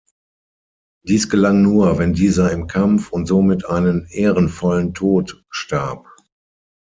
Dies gelang nur, wenn dieser im Kampf und somit einen „Ehrenvollen Tod“ starb.